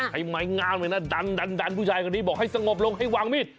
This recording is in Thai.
ไม้งามเลยนะดันดันผู้ชายคนนี้บอกให้สงบลงให้วางมีด